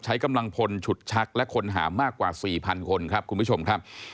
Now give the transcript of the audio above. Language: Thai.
ใช้กำลังพลฉุดชักและคนหามากกว่า๔๐๐คนครับคุณผู้ชมครับ